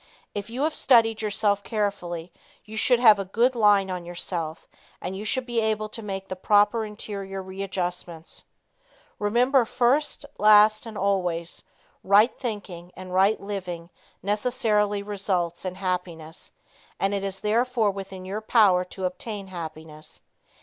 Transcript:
If you have studied yourself carefully you should have a good line on yourself, and should be able to make the proper interior re adjustments. Remember first, last, and always, Right thinking and right Living necessarily results in happiness, and it is therefore within your power to obtain happiness.